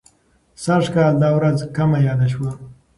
سږ کال دا ورځ کمه یاده شوه.